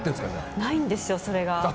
ないんですよ、それが。